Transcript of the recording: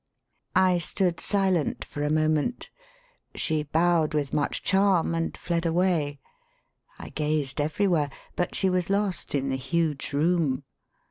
I stood silent for a moment. She bowed with much charm and fled away. I gazed everywhere. But she was lost in the huge room.